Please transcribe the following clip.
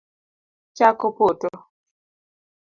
Chak opoto